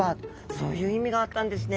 そういう意味があったんですね。